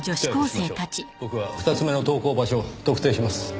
僕は２つ目の投稿場所を特定します。